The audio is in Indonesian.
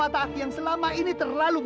atau akan performed dari kareally